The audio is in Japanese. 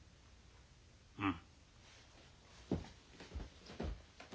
うん。